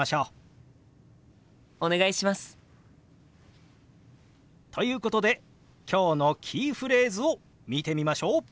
お願いします！ということで今日のキーフレーズを見てみましょう。